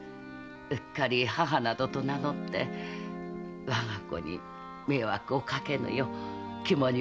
うっかり母などと名乗って我が子に迷惑をかけぬよう肝に銘じております。